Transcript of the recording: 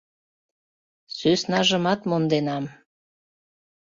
Сӧснажымат монденам.